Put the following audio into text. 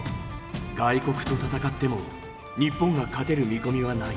外国と戦っても日本が勝てる見込みはない。